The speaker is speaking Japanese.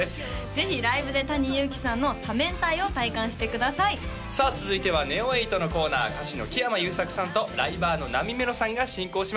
ぜひライブでＴａｎｉＹｕｕｋｉさんの多面態を体感してくださいさあ続いてはＮＥＯ８のコーナー歌手の木山裕策さんとライバーのなみめろさんが進行します